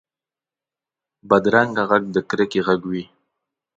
بدرنګه غږ د کرکې غږ وي